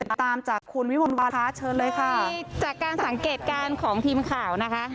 ติดตามจากคุณวิมลวาระเชิญเลยค่ะนี่จากการสังเกตการณ์ของทีมข่าวนะคะ